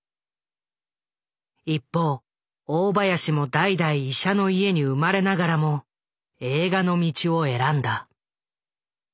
一方大林も代々医者の家に生まれながらも映画の道を選んだ。